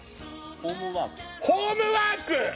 『ホームワーク』！